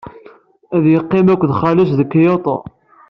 Ad yeqqim ed xali-s deg Kyoto.